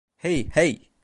Hey, hey.